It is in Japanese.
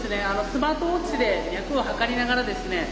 スマートウォッチで脈を測りながらですね